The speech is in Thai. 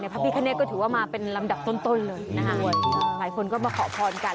พระพิคเนตก็ถือว่ามาเป็นลำดับต้นต้นเลยนะคะหลายคนก็มาขอพรกัน